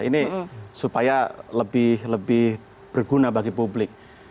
ini supaya lebih berguna bagi publik